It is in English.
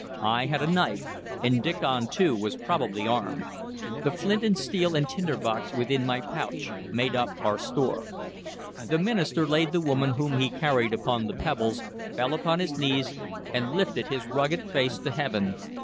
I had a knife, and Diccon too was probably armed. The flint and steel and tinder box within my pouch made up our store. The minister laid the woman whom he carried upon the pebbles, fell upon his knees, and lifted his rugged face to heaven.